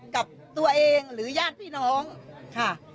กับตัวเองหรือญาติพี่น้องค่ะ